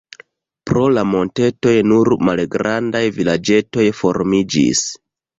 Pro la montetoj nur malgrandaj vilaĝetoj formiĝis.